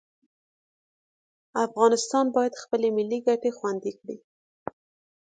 افغانستان باید خپلې ملي ګټې خوندي کړي.